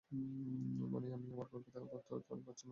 মানে আমি আমার গর্ভে তার বাচ্চা নয়মাস ধরে লালনপালন করব।